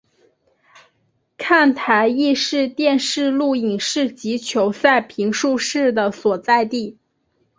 看台亦是电视录影室及球赛评述室的所在地。